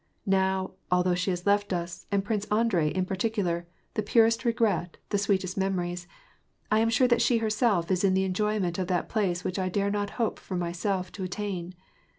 Now, although she has left us, and I'rince Andrei in particular, the purest regret and sweetest memories, I am sure tliat she herself is in the enjoyment of that place which I dare not hope for myself to attain.